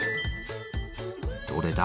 どれだ？